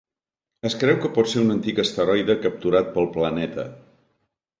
Es creu que pot ser un antic asteroide capturat pel planeta.